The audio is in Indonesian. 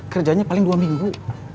kerjanya paling dua minggu